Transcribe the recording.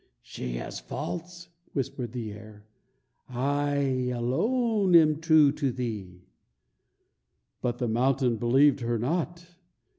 "She is false!" whispered the air. "I alone am true to thee." But the mountain believed her not.